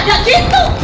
nggak ada gitu